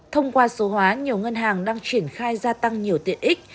thông qua số hóa nhiều ngân hàng đang triển khai gia tăng nhiều tiện ích